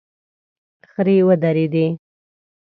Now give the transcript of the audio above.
خرې ودرېدې.